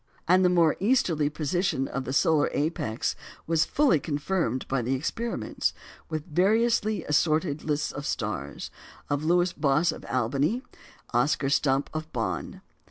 And the more easterly position of the solar apex was fully confirmed by the experiments, with variously assorted lists of stars, of Lewis Boss of Albany, and Oscar Stumpe of Bonn.